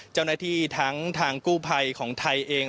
เจ้าหน้าที่ทั้งทางกู้ภัยของไทยเอง